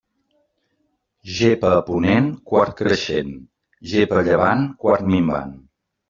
Gepa a ponent, quart creixent; gepa a llevant, quart minvant.